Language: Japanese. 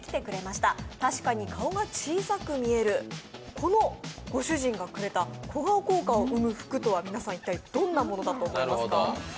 このご主人がくれた小顔効果を生む服とは皆さん、一体どんなものだと思いますか？